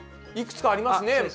いくつかありますね。